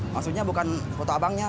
maksudnya bukan foto abangnya